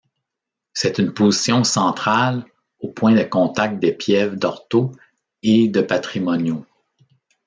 C'est une position centrale, au point de contact des pièves d'Orto et de Patrimonio.